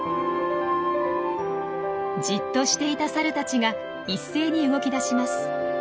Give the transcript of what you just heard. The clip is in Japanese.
じっとしていたサルたちが一斉に動き出します。